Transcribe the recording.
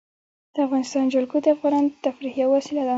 د افغانستان جلکو د افغانانو د تفریح یوه وسیله ده.